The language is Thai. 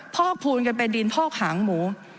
พอกพูนกันไปดินพอกหางหมู